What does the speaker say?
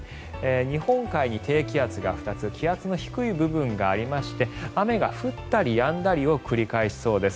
日本海に低気圧が２つ気圧の低い部分がありまして雨が降ったりやんだりを繰り返しそうです。